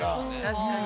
◆確かに。